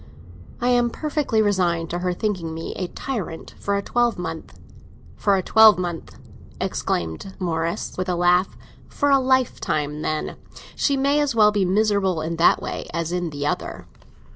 "I am perfectly resigned to her thinking me a tyrant for a twelvemonth." "For a twelvemonth!" exclaimed Morris, with a laugh. "For a lifetime, then! She may as well be miserable in that way as in the other."